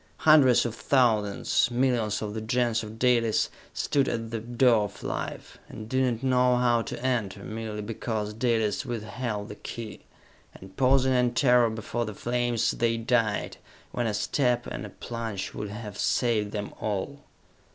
Hundreds of thousands, millions of the Gens of Dalis, stood at the door of life, and did not know how to enter, merely because Dalis withheld the key! And, pausing in terror before the flames, they died, when a step and a plunge would have saved them all!